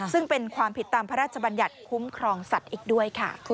ซึ่งเป็นความผิดตามพระราชบัญญัติคุ้มครองสัตว์อีกด้วยค่ะ